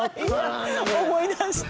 思い出した。